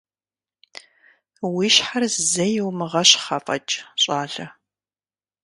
Уи щхьэр зэи умыгъэщхъ афӀэкӀ, щӀалэ!